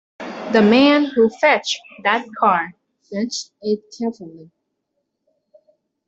The man who fetched that car fetched it carefully.